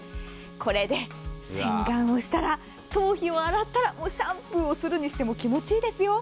これで洗顔をしたら、頭皮を洗ったら、シャンプーをするにしても気持ちいいですよ。